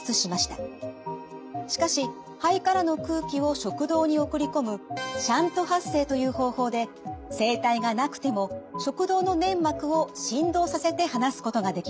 しかし肺からの空気を食道に送り込むシャント発声という方法で声帯がなくても食道の粘膜を振動させて話すことができます。